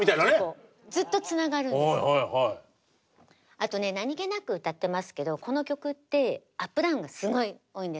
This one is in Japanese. あとね何げなく歌ってますけどこの曲ってアップダウンがすごい多いんですよ。